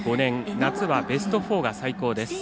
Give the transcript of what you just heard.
夏はベスト４が最高です。